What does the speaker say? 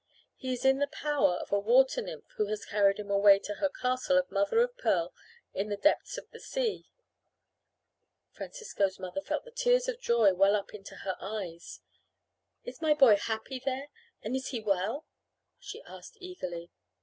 He is in the power of a water nymph who has carried him away to her castle of mother of pearl in the depths of the sea." Francisco's mother felt the tears of joy well up into her eyes. "Is my boy happy there and is he well?" she asked eagerly.